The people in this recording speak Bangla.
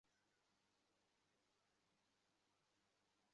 ঢাকার বাজারে চাহিদা থাকায় ক্ষতিগ্রস্ত ফুলকপিও বেশ ভালো দামে বেচাকেনা হচ্ছে।